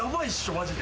マジで。